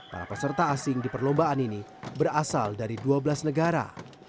para peserta asing di perlombaan ini berasal dari dua belas negara